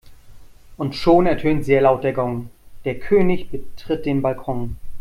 Und schon ertönt sehr laut der Gong, der König betritt den Balkon.